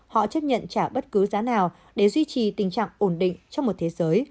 họ chấp nhận trả bất cứ giá nào để duy trì tình trạng ổn định trong một thế giới